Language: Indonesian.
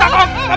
beri otak bang